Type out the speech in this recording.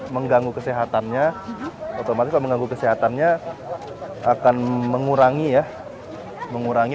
mengganggu kesehatannya otomatis kalau mengganggu kesehatannya akan mengurangi ya mengurangi